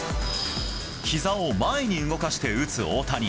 ひざを前に動かして打つ大谷。